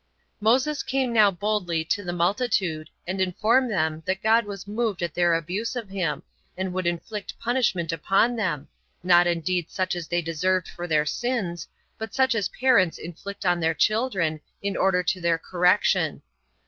1. Moses came now boldly to the multitude, and informed them that God was moved at their abuse of him, and would inflict punishment upon them, not indeed such as they deserved for their sins, but such as parents inflict on their children, in order to their correction.